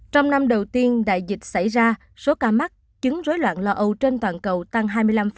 trong năm đầu tiên đại dịch xảy ra số ca mắc chứng rối loạn lo âu trên toàn cầu tăng hai mươi năm